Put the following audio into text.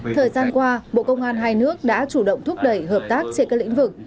thời gian qua bộ công an hai nước đã chủ động thúc đẩy hợp tác trên các lĩnh vực